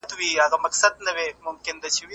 چاته ووايم رازونه د زړه